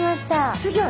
すギョい。